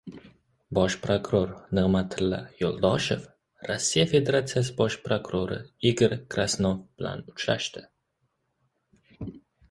Bosh prokuror Nig‘matilla Yo‘ldoshev Rossiya Federasiyasi Bosh prokurori Igor Krasnov bilan uchrashdi